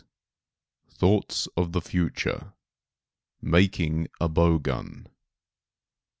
* *Thoughts of the Future; Making a Bow Gun.